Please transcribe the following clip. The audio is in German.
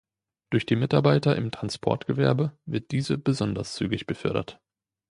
Durch die Mitarbeiter im Transportgewerbe wird diese besonders zügig befördert.